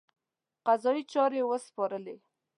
قضایي چارې ورسپارلې.